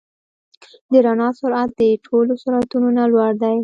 د رڼا سرعت د ټولو سرعتونو نه لوړ دی.